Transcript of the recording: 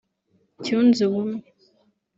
cyunze ubumwe